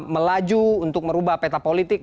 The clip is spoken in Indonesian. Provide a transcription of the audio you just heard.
melaju untuk merubah peta politik